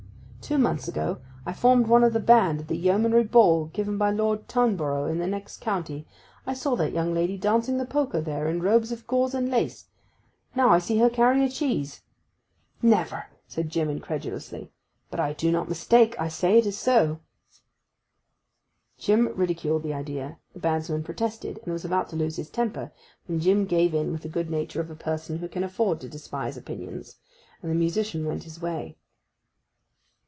'Two months ago I formed one of the band at the Yeomanry Ball given by Lord Toneborough in the next county. I saw that young lady dancing the polka there in robes of gauze and lace. Now I see her carry a cheese!' 'Never!' said Jim incredulously. 'But I do not mistake. I say it is so!' Jim ridiculed the idea; the bandsman protested, and was about to lose his temper, when Jim gave in with the good nature of a person who can afford to despise opinions; and the musician went his way.